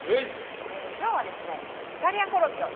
今日はですねイタリアンコロッケを。